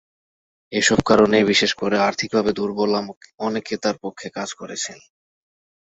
এসব কারণে বিশেষ করে আর্থিকভাবে দুর্বল অনেকে তাঁর পক্ষে কাজ করেছেন।